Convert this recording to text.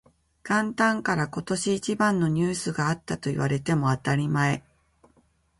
元旦から今年一番のニュースがあったと言われても当たり前